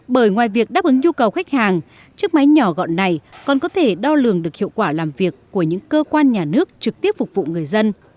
bởi ngoài việc đáp ứng nhu cầu khách hàng chiếc máy nhỏ gọn này còn có thể đo lường được hiệu quả làm việc của những cơ quan nhà nước trực tiếp phục vụ người dân